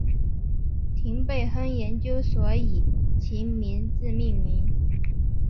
廷贝亨研究所以其名字命名。